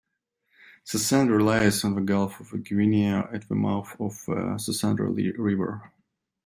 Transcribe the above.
Sassandra lies on the Gulf of Guinea at the mouth of the Sassandra River.